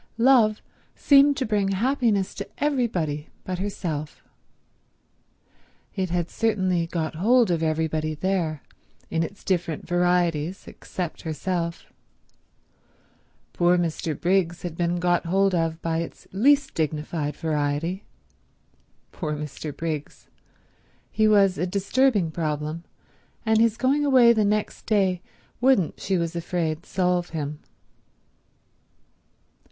Love seemed to bring happiness to everybody but herself. It had certainly got hold of everybody there, in its different varieties, except herself. Poor Mr. Briggs had been got hold of by its least dignified variety. Poor Mr. Briggs. He was a disturbing problem, and his going away next day wouldn't she was afraid solve him.